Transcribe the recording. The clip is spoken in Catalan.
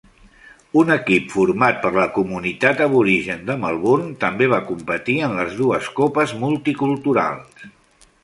Un equip format per la comunitat aborigen de Melbourne també va competir en les dues Copes Multiculturals.